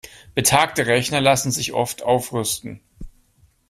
Betagte Rechner lassen sich oft aufrüsten.